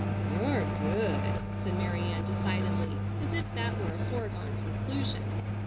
"You're good," said Mary Ann decidedly as if that were a foregone conclusion.